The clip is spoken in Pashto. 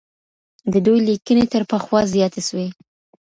د دوی ليکنې تر پخوا زياتې سوې.